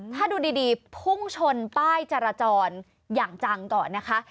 ถ้าดูดีพุ่งชนป้ายจราจรอย่างจังก่อนนะคะ